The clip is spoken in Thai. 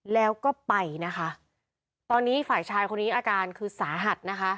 แล้วก็ไปนะคะตอนนี้ฝ่ายชายคนนี้อาการคือสาหัสนะคะ